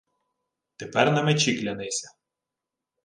— Тепер на мечі клянися.